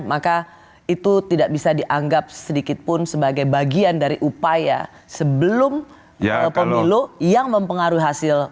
maka itu tidak bisa dianggap sedikit pun sebagai bagian dari upaya sebelum pemilu yang mempengaruhi hasil